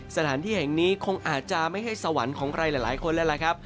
สถานที่แห่งนี้คงอาจจะไม่ใช่สวรรค์ของใครหลายคนแล้วล่ะครับ